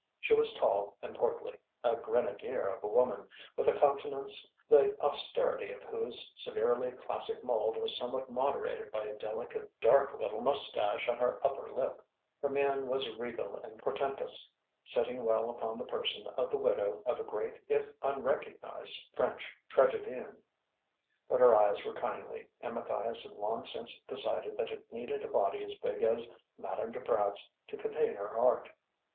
She was tall and portly, a grenadier of a woman, with a countenance the austerity of whose severely classic mould was somewhat moderated by a delicate, dark little moustache on her upper lip. Her mien was regal and portentous, sitting well upon the person of the widow of a great if unrecognized French tragedian; but her eyes were kindly; and Matthias had long since decided that it needed a body as big as Madame Duprat's to contain her heart.